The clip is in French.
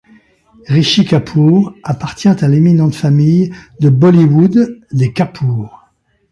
Rishi Kapoor appartient à l'éminente famille de Bollywood des Kapoor.